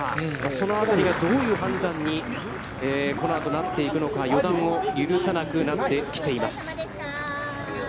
そのあたりが、どういう判断に、このあとなっていくのか予断を許さなくなってきています。